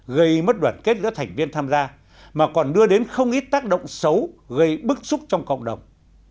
gây mất đoàn kết giữa thành viên tham gia mà còn đưa đến không ít tác động xấu gây bức xúc trong cộng đồng